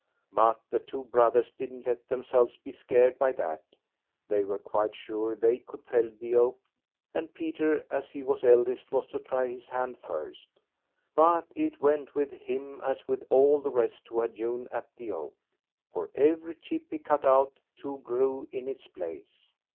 But the two brothers didn't let themselves be scared by that; they were quite sure they could fell the oak, and Peter, as he was eldest, was to try his hand first; but it went with him as with all the rest who had hewn at the oak; for every chip he cut out, two grew in its place.